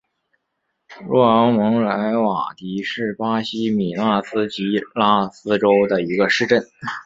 若昂蒙莱瓦迪是巴西米纳斯吉拉斯州的一个市镇。